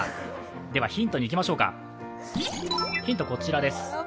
ではヒントにいきましょうか、こちらです。